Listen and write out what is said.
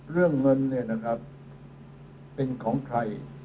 เรื่องเงินเป็นของใคร